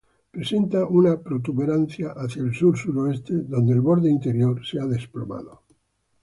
Presenta una protuberancia hacia el sur-sureste, donde el borde interior se ha desplomado.